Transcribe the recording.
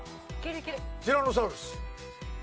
ティラノサウルス。